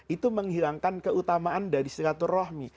itu menghilangkan keutamaan dari silaturahmi